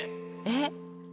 えっ？